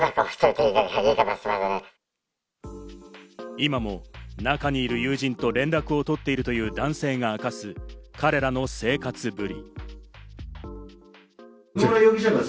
今も中にいる友人と連絡を取っているという男性が明かす、彼らの生活ぶり。